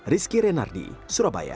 rizky renardi surabaya